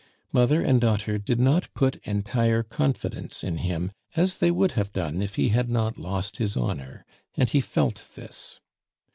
Mother and daughter did not put entire confidence in him, as they would have done if he had not lost his honor; and he felt this.